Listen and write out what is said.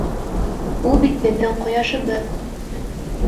Ул бит беҙҙең ҡояшыбыҙ.